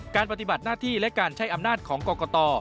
ปฏิบัติหน้าที่และการใช้อำนาจของกรกต